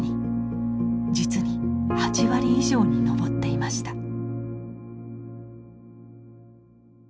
実に８割以上に上っていました。